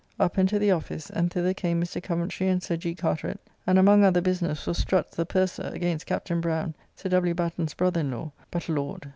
Up and to the office, and thither came Mr. Coventry and Sir G. Carteret, and among other business was Strutt's the purser, against Captn. Browne, Sir W. Batten's brother in law, but, Lord!